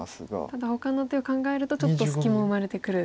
ただほかの手を考えるとちょっと隙も生まれてくる。